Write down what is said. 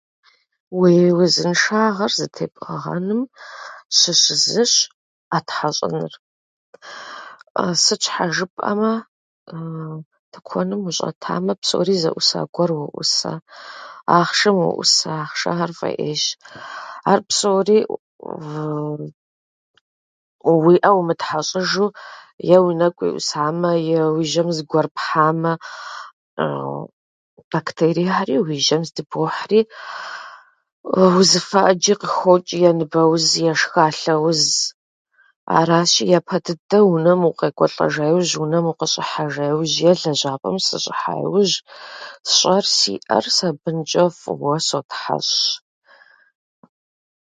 Уи узыншагъэр зэтепӏыгъэным щыщ зыщ ӏэ тхьэщӏыныр. Сыт щхьа жыпӏэмэ, тыкуэным ущӏэтамэ, псори зэӏуса гуэрым уоӏусэ, ахъшэм уоӏусэ, ахъшэхьэр фӏей ӏейщ. Ар псори уэ уи ӏэр умытхьэщӏыжу, е уи нэкӏу уеӏусамэ, е уи жьэм зыгуэр пхьамэ, бактериехьэри уи жьэм здыбохьри узыфэ ӏэджэ къыхочӏ - е ныбэуз, е шхалъэуз. Аращи, япэ дыдэу унэм укъекӏуэлӏэжа иужь, унэм укъыщӏыхьэжа иужь е лэжьапӏэм сыщӏыхьа иужь сщӏэр – си ӏэр сабынчӏэ фӏыуэ сотхьэщӏ.